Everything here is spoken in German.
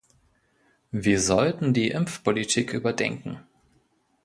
Wir sollten die Impfpolitik überdenken.